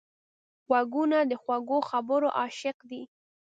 غوږونه د خوږو خبرو عاشق دي